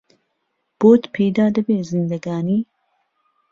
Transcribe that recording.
بۆت پهیدا دهبێ زیندهگانی